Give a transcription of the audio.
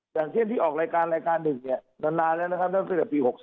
อย่างเช่นที่ออกรายการ๑นานนั้นนะครับตั้งแต่ปี๖๓